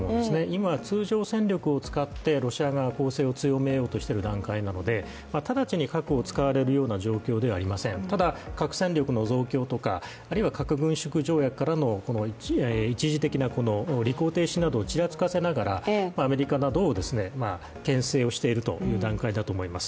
今、通常戦力を使ってロシア側は攻勢を強めようとしている段階なので直ちに核を使われるような状況ではありませんただ、核戦力の増強とかあるいは核軍縮条約からの一時的な履行停止などをちらつかせながら、アメリカなどをけん制をしているという段階だと思います。